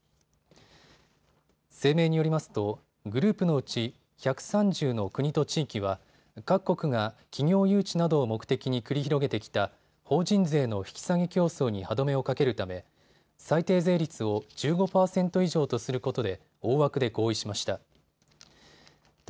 声明によりますとグループのうち１３０の国と地域は各国が企業誘致などを目的に繰り広げてきた法人税の引き下げ競争に歯止めをかけるため最低税率を１５％以上とすることで大枠で合意しました。